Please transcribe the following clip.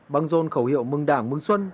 băng rôn khẩu hiệu mừng đảng mừng xuân